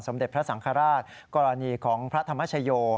เด็จพระสังฆราชกรณีของพระธรรมชโย